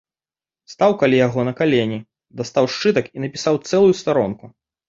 Стаў каля яго на калені, дастаў сшытак і напісаў цэлую старонку.